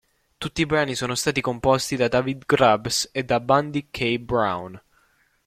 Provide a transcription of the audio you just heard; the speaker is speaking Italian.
Tutti i brani sono stati composti da David Grubbs e Bundy K. Brown.